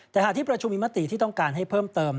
แต่หากที่ประชุมมีมติที่ต้องการให้เพิ่มเติม